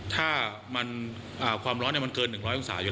ถ้าความร้อนมันเกิน๑๐๐องศาเยอะ